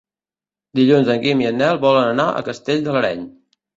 Dilluns en Guim i en Nel volen anar a Castell de l'Areny.